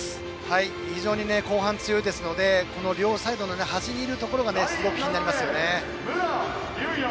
非常に後半強いですので両サイドの端にいるのがすごく気になりますよね。